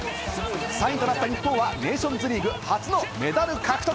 ３位となった日本はネーションズリーグ初のメダル獲得。